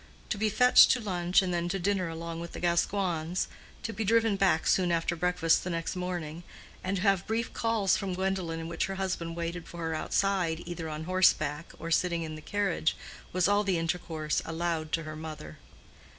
To be fetched to lunch and then to dinner along with the Gascoignes, to be driven back soon after breakfast the next morning, and to have brief calls from Gwendolen in which her husband waited for her outside either on horseback or sitting in the carriage, was all the intercourse allowed to her mother.